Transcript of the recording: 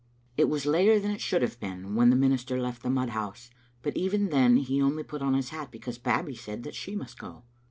It was later than it should have been when the minister left the mud house, and even then he only put on his hat because Babbie said that she must go.